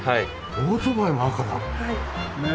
オートバイも赤だね。